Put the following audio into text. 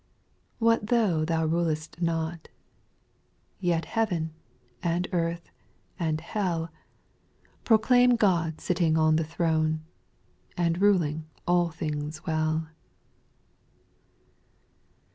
4. What though thou rulest not ? Yet heaven, and earth, and hell, Proclaim God sitting on the throne, And ruling all things well.